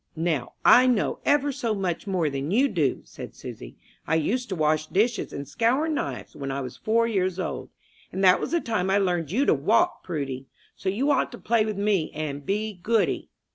"Now I know ever so much more than you do," said Susy. "I used to wash dishes and scour knives when I was four years old, and that was the time I learned you to walk, Prudy; so you ought to play with me, and be goody."